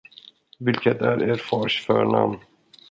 Vilket är er fars förnamn?